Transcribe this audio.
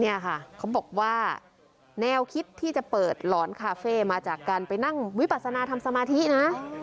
เนี่ยค่ะเขาบอกว่าแนวคิดที่จะเปิดหลอนคาเฟ่มาจากการไปนั่งวิปัสนาทำสมาธินะ